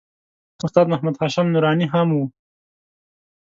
استاد محمد هاشم نوراني هم و.